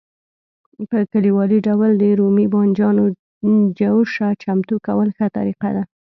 په کلیوالي ډول د رومي بانجانو جوشه چمتو کول ښه طریقه ده.